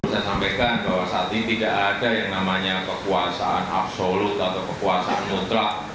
saya sampaikan bahwa saat ini tidak ada yang namanya kekuasaan absolut atau kekuasaan mutlak